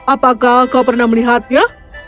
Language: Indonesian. apakah kau pernah melihatnya